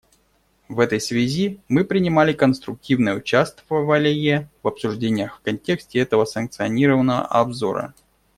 В этой связи мы принимали конструктивное участвовалие в обсуждениях в контексте этого санкционированного обзора.